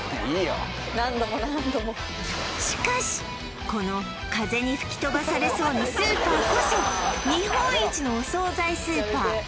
しかしこの風に吹き飛ばされそうなスーパーこそ日本一のお惣菜スーパー